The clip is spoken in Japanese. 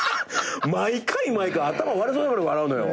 毎回毎回頭割れそうになるぐらい笑うのよ。